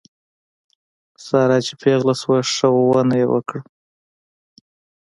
ساره چې پېغله شوه ښه ونه یې وکړه.